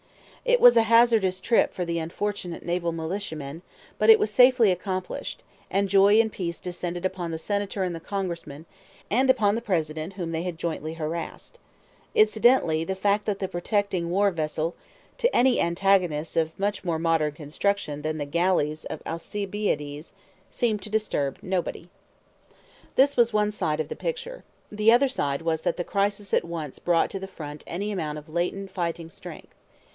It was a hazardous trip for the unfortunate naval militiamen, but it was safely accomplished; and joy and peace descended upon the Senator and the Congressman, and upon the President whom they had jointly harassed. Incidentally, the fact that the protecting war vessel would not have been a formidable foe to any antagonists of much more modern construction than the galleys of Alcibiades seemed to disturb nobody. This was one side of the picture. The other side was that the crisis at once brought to the front any amount of latent fighting strength.